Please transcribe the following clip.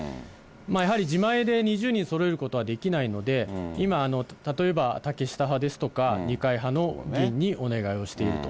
やはり自前で２０人そろえることはできないので、今、例えば竹下派ですとか、二階派の議員にお願いをしていると。